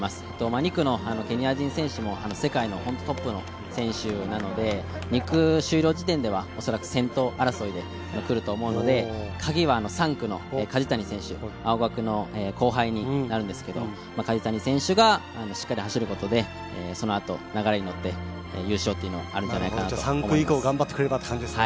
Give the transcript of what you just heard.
２区のケニア人選手も世界のトップの選手なので、２区終了時点では恐らく先頭争いで来ると思うので鍵は３区の梶谷選手、後輩になるんですけど梶谷選手がしっかり走ることで、そのあと流れに乗って優勝があるんじゃないかなと。